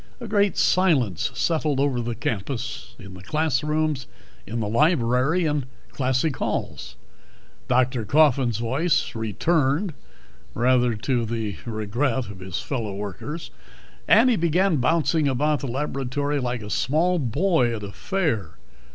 A great silence settled over the campus, in the classrooms, in the library, in classic halls. Dr. Coffin's voice returned (rather to the regret of his fellow workers) and he began bouncing about the laboratory like a small boy at a fair.